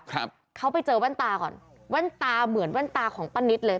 ครับเขาไปเจอแว่นตาก่อนแว่นตาเหมือนแว่นตาของป้านิตเลย